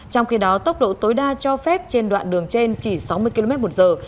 trong khi đó tốc độ tối đa cho phép trên đoạn đường trên chỉ sáu mươi km một giờ